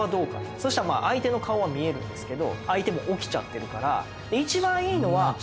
そしたらまあ相手の顔は見えるんですけど相手も起きちゃってるから。